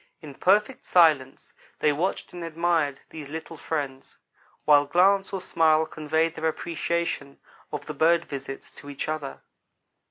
In perfect silence they watched and admired these little friends, while glance or smile conveyed their appreciation of the bird visits to each other.